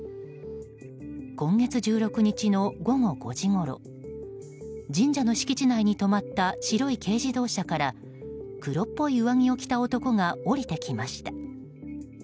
今月１６日の午後５時ごろ神社の敷地内に止まった白い軽自動車から黒っぽい上着を着た男が降りてきました。